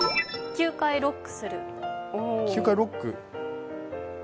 ９ロック。